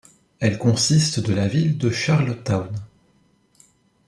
Elle consiste de la ville de Charlottetown.